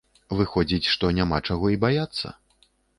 Выходзіць, што няма чаго і баяцца?